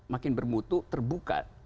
makin bermutu terbuka